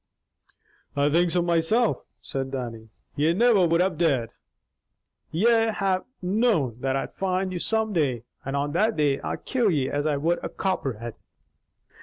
"I think so myself," said Dannie. "Ye never would have dared. Ye'd have known that I'd find out some day, and on that day, I'd kill ye as I would a copperhead."